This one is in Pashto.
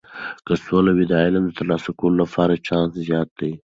که سوله وي، د علم د ترلاسه کولو لپاره چانس زیات دی.